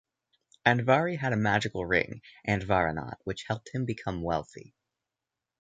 Andvari had a magical ring Andvaranaut, which helped him become wealthy.